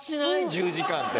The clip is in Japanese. １０時間って。